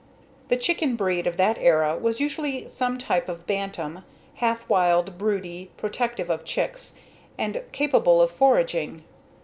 The chicken breed of that era was usually some type of bantam, half wild, broody, protective of chicks, and capable of foraging.